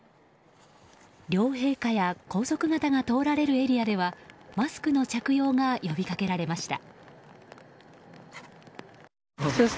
両陛下や皇族方が通られるエリアではマスクの着用が呼び掛けられました。